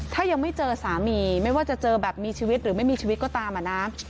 ถ้ายังไม่เจอสามีไม่ว่าจะเจอแบบมีชีวิตหรือไม่มีชีวิตก็ตามอะนะ